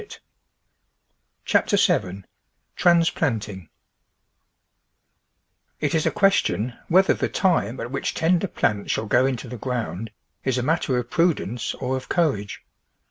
CHAPTER SEVEN TRANSPLANTING IT is a question whether the time at which tender j^lants shall go into the ground is a matter of pru dence or of courage.